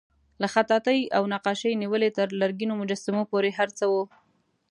له خطاطۍ او نقاشۍ نیولې تر لرګینو مجسمو پورې هر څه وو.